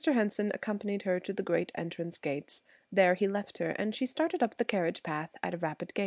Henson accompanied her to the great entrance gates; there he left her, and she started up the carriage path at a rapid gait.